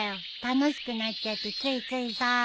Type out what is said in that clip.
楽しくなっちゃってついついさ。